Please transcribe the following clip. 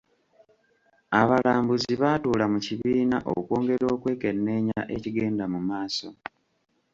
Abalambuzi baatuula mu kibiina okwongera okwekenneenya ekigenda mu maaso.